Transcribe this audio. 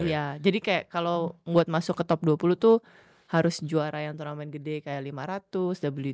iya jadi kayak kalau buat masuk ke top dua puluh tuh harus juara yang turnamen gede kayak lima ratus wta seribu ataupun grand slam